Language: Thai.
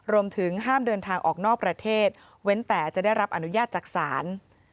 รวมถึงห้ามเดินทางออกนอกประเทศเว้นแต่จะได้รับอนุญาตจากศาล